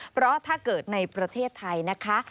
เพราะถ้าเกิดในประเทศไทยนะคะ